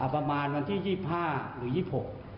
ประมาณวันที่๒๕หรือ๒๖